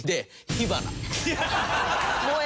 火花！